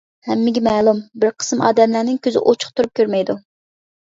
ھەممىگە مەلۇم، بىر قىسىم ئادەملەر كۆزى ئوچۇق تۇرۇپ كۆرمەيدۇ.